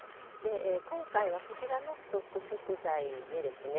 今回はこちらのストック食材にですね